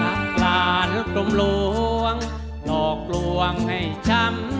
นักราชกลมลวงตอกลวงให้ช้ำชีวิต